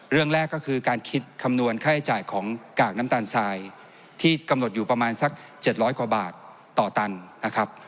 เรื่องแรกก็คือการคิดคำนวณค่าใช้จ่ายของกากน้ำตาลทรายที่กำหนดอยู่ประมาณสัก๗๐๐กว่าบาทต่อตันนะครับ